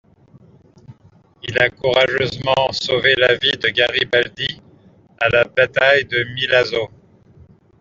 Il a courageusement sauvé la vie de Garibaldi à la bataille de Milazzo.